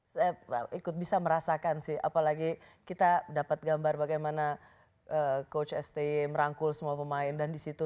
saya ikut bisa merasakan sih apalagi kita dapat gambar bagaimana coach sty merangkul semua pemain dan disitu